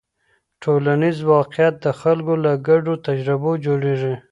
ټولنیز واقیعت د خلکو له ګډو تجربو جوړېږي.